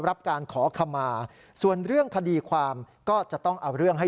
เพราะว่าถึงเขาจะเข้าไปเขาออกมาเขาก็ต้องทำเพื่อนดี